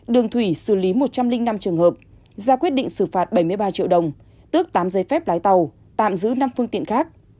đường thủy xử lý một trăm linh năm trường hợp ra quyết định xử phạt bảy mươi ba triệu đồng tước tám giấy phép lái tàu tạm giữ năm phương tiện khác